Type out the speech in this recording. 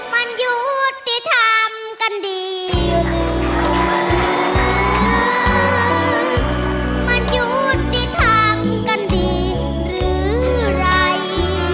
มันหยุดที่ทำกันดีหรือไง